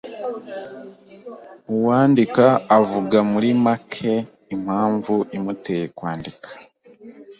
Uwandika avuga muri make impamvu imuteye kwandika